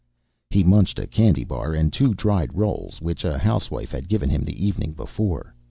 He munched a candy bar and two dried rolls which a housewife had given him the evening before.